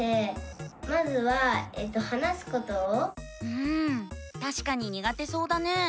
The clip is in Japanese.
うんたしかににがてそうだね。